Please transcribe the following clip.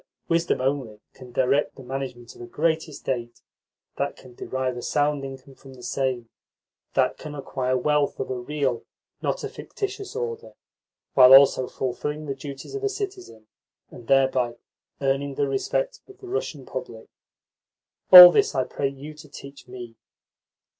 Wisdom only can direct the management of a great estate, that can derive a sound income from the same, that can acquire wealth of a real, not a fictitious, order while also fulfilling the duties of a citizen and thereby earning the respect of the Russian public. All this I pray you to teach me."